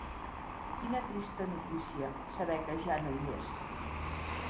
Quina trista notícia, saber que ja no hi és.